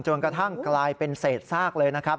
จนกระทั่งกลายเป็นเศษซากเลยนะครับ